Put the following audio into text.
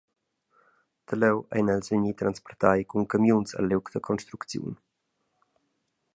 Da leu ein els vegni transportai cun camiuns el liug da construcziun.